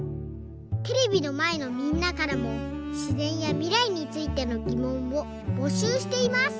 テレビのまえのみんなからもしぜんやみらいについてのぎもんをぼしゅうしています！